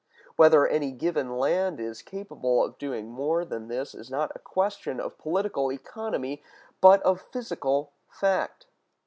Whether any given land is capable of doing more than this is not a question of political economy, but of physical fact.